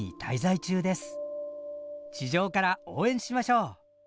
地上から応援しましょう。